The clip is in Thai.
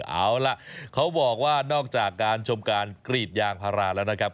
เอาล่ะเขาบอกว่านอกจากการชมการกรีดยางพาราแล้วนะครับ